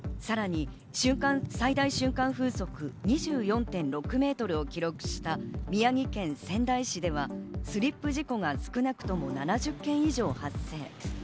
さらに最大瞬間風速２４．６メートルを記録した宮城県仙台市では、スリップ事故が少なくとも７０件以上発生。